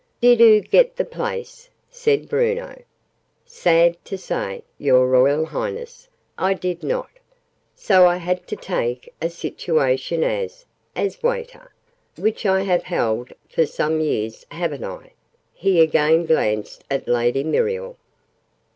"Did oo get the place?" said Bruno. "Sad to say, Your Royal Highness, I did not! So I had to take a situation as as Waiter, which I have now held for some years haven't I?" He again glanced at Lady Muriel.